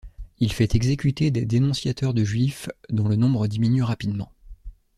Il fait exécuter des dénonciateurs de Juifs dont le nombre diminue rapidement.